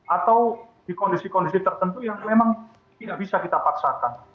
atau di kondisi kondisi tertentu yang memang tidak bisa kita paksakan